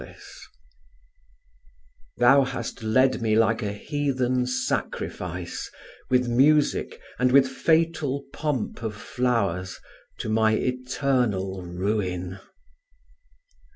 CHAPTER X Thou hast led me like an heathen sacrifice, With music and with fatal pomp of flowers, To my eternal ruin.